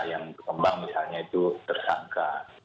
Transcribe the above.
yang berkembang misalnya itu tersangka